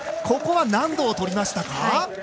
ここは難度をとりましたか。